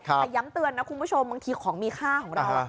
แต่ย้ำเตือนนะคุณผู้ชมบางทีของมีค่าของเรา